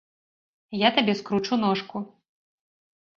Я табе скручу ножку.